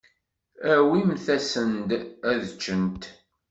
Awimt-asen-d ad ččent.